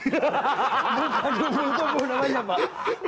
bukan kumpul kumpul namanya pak